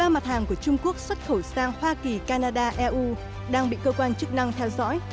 ba mặt hàng của trung quốc xuất khẩu sang hoa kỳ canada eu đang bị cơ quan chức năng theo dõi